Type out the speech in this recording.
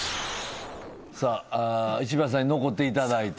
石橋さんに残っていただいて。